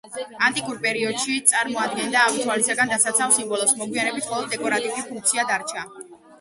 ანტიკურ პერიოდში წარმოადგენდა ავი თვალისაგან დასაცავ სიმბოლოს, მოგვიანებით მხოლოდ დეკორატიული ფუნქცია დარჩა.